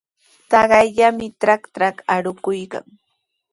Taytallaami trakratraw arukuykan.